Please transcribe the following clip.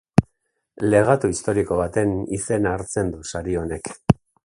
Legatu historiko baten izena hartzen du sari honek.